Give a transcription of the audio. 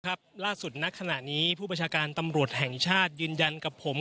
ล่าสุดณขณะนี้ผู้ประชาการตำรวจแห่งชาติยืนยันกับผม